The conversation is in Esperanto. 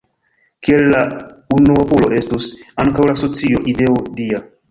Kiel la unuopulo estus ankaŭ la socio ideo dia.